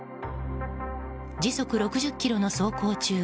時速６０キロの走行中